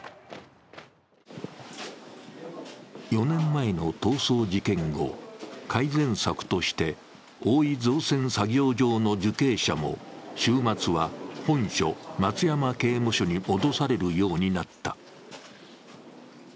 ４年前の逃走事件後、改善策として大井造船作業場の受刑者も週末は本所・松山刑務所に戻されるようになった。